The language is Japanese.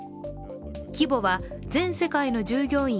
規模は全世界の従業員